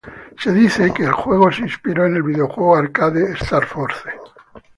Se dice que el juego se inspiró en el videojuego arcade "Star Force".